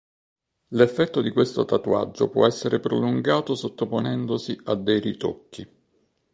L'effetto di questo tatuaggio può essere prolungato sottoponendosi a dei ritocchi.